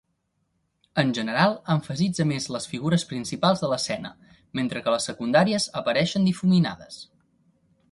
En general, emfasitza més les figures principals de l'escena, mentre que les secundàries apareixen difuminades.